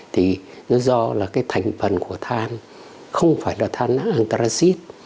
thì nó do là cái thành phần của than không phải là than năng antraxit